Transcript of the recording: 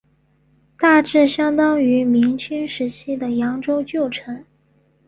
大致相当于明清时期的扬州旧城。